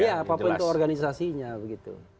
iya apapun itu organisasinya begitu